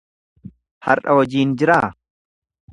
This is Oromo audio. Har'a hojiin jiraa?